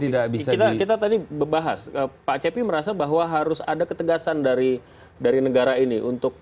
tidak kita tadi bahas pak cepi merasa bahwa harus ada ketegasan dari dari negara ini untuk